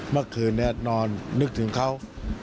เมื่อคืนนี้นอนนึกถึงเขา